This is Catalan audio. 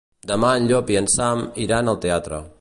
Demà en Llop i en Sam iran al teatre.